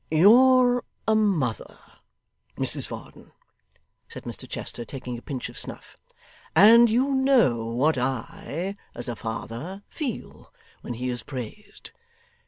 'You're a mother, Mrs Varden,' said Mr Chester, taking a pinch of snuff, 'and you know what I, as a father, feel, when he is praised.